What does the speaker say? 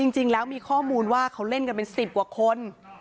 จริงแล้วมีข้อมูลว่าเขาเล่นกันเป็น๑๐กว่าคน